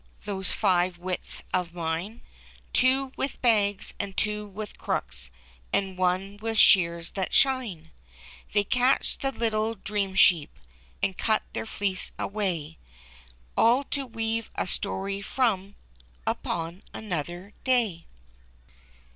Those Five Wits of mine. Two with bags, and two with crooks. And one with shears that shine. They catch the little Dream Sheep, And cut their fleece away, All to weave a story from. Upon another day